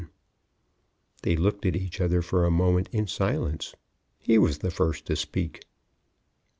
They looked at each other for a moment in silence. He was the first to speak.